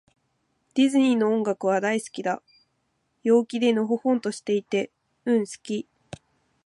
ディズニーの音楽は、大好きだ。陽気で、のほほんとしていて。うん、好き。